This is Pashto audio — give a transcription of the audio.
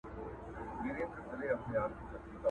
o د مغل زور په دهقان، د دهقان زور په مځکه!